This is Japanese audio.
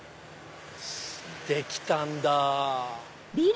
できたんだ。